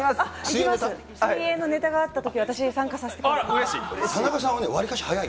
水泳のネタがあったときは私、参加させてください。